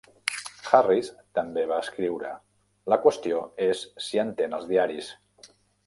Harris també va escriure: La qüestió és si entén els diaris.